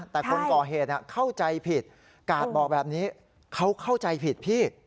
แต่คนก่อเหตุเข้าใจผิดกาดบอกแบบนี้เขาเข้าใจผิดพี่